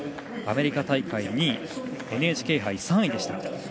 アメリカ大会２位ＮＨＫ杯３位でした。